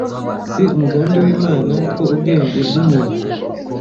Si umugambi w’Imana ko ubwenge bw’umuntu